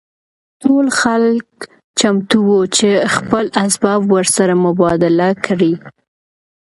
ټول خلک چمتو وو چې خپل اسباب ورسره مبادله کړي